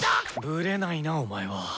ブレないなお前は。